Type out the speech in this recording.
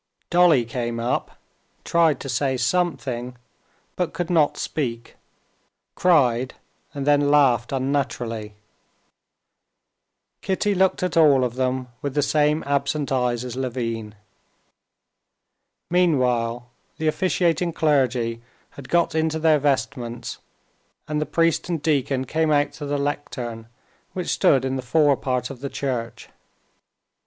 Dolly came up, tried to say something, but could not speak, cried, and then laughed unnaturally. Kitty looked at all of them with the same absent eyes as Levin. Meanwhile the officiating clergy had got into their vestments, and the priest and deacon came out to the lectern, which stood in the forepart of the church.